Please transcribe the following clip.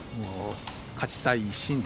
勝ちたい一心で。